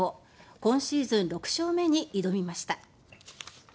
今シーズン６勝目に挑みました。